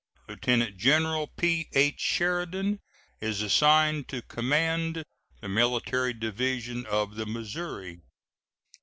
Lieutenant General P.H. Sheridan is assigned to command the Military Division of the Missouri.